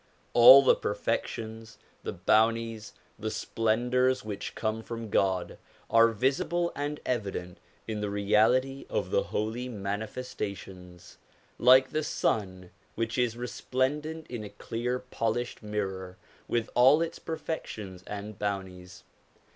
All the perfections, the bounties, the splendours which come from God, are visible and evident in the Reality of the Holy Manifestations, like the sun which is resplendent in a clear polished mirror with all its perfections and bounties.